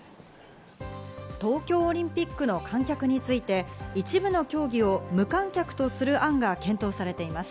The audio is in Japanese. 東京オリンピックの観客について一部の競技を無観客とする案が検討されています。